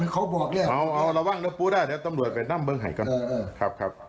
ครับ